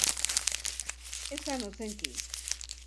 Esan ozenki